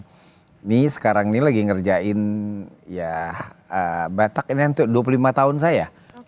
ini sekarang ini lagi ngerjain ya batak ini untuk dua puluh lima tahun saya